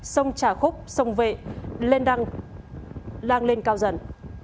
sông trà khúc sông vệ lên đăng lên cao dần